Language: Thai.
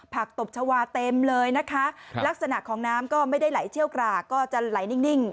ตบชาวาเต็มเลยนะคะลักษณะของน้ำก็ไม่ได้ไหลเชี่ยวกรากก็จะไหลนิ่ง